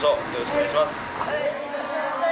お願いします。